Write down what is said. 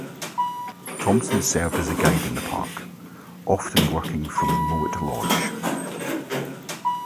Thomson served as a guide in the park, often working from Mowat Lodge.